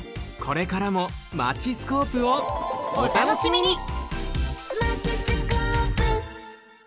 これからも「マチスコープ」をおたのしみに！